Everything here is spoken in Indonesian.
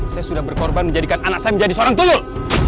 saya sudah berkorban menjadikan anak saya menjadi seorang tuyul